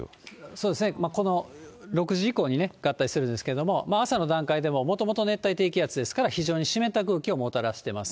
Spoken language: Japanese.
そうですね、この６時以降にね、合体してるんですけれども、朝の段階でも、もともと熱帯低気圧ですから、非常に湿った空気をもたらしています。